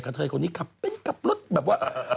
เทยคนนี้ขับเป็นขับรถแบบว่า